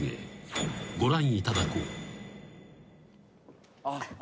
［ご覧いただこう］